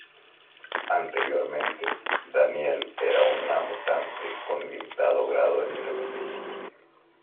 Anteriormente, Danielle era una mutante con un limitado grado de telepatía.